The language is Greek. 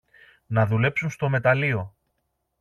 να δουλέψουν στο μεταλλείο